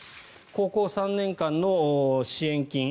高校３年間の支援金